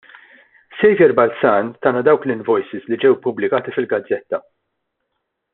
Saviour Balzan tana dawk l-invoices li ġew ippubblikati fil-gazzetta.